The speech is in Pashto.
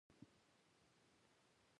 الوتکه د انسان بریالیتوب ښيي.